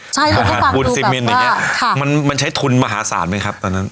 ใช่เราก็ฟังดูแบบว่าปูนสิเมนต์อย่างนี้มันใช้ทุนมหาศาลไหมครับตอนนั้น